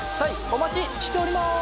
お待ちしております！